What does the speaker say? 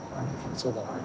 そうだね。